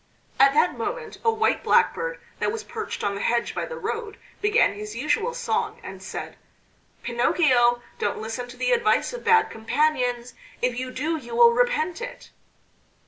At that moment a white Blackbird, that was perched on the hedge by the road, began his usual song, and said: "Pinocchio, don't listen to the advice of bad companions; if you do you will repent it!"